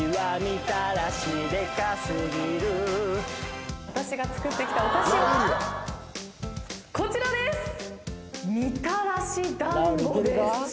あちらです。